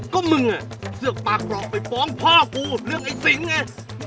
ก็มึงอ่ะเสือกปากหรอกไปฟ้องพ่อกูเรื่องไอ้สิงไง